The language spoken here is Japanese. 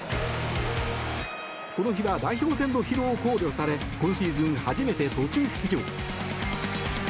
この日は代表戦の疲労を考慮され今シーズン初めて途中出場。